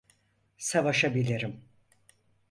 Savaşabilirim.